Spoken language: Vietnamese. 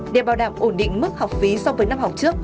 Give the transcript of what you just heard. để bảo đảm ổn định mức học phí so với năm học trước